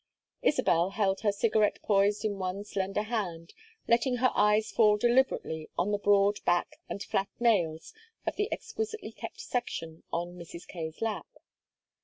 Isabel held her cigarette poised in one slender hand, letting her eyes fall deliberately on the broad back and flat nails of the exquisitely kept section on Mrs. Kaye's lap.